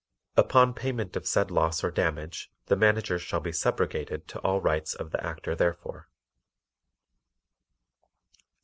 Upon payment of said loss or damage the Manager shall be subrogated to all rights of the Actor therefor.